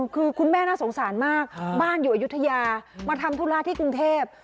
คือคุณแม่น่าสงสารมากบ้านอยู่อายุทยามาทำธุระที่กรุงเทพ